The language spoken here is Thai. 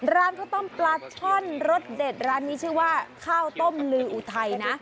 ร้านข้าวต้มปลาช่อนรสเด็ดร้านนี้ชื่อว่าข้าวต้มลืออุทัยนะ